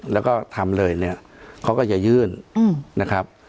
แล้วก็ทำเลยเนี่ยเขาก็จะยื่นนะครับ